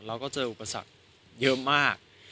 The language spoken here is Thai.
เราก็เจออุปสรรคเยอะมาก